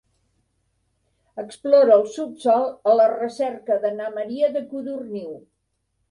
Explora el subsòl a la recerca de na Maria de Codorniu.